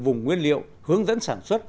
vùng nguyên liệu hướng dẫn sản xuất